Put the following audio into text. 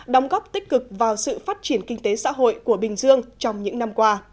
đóng góp tích cực vào sự phát triển kinh tế xã hội của bình dương trong những năm qua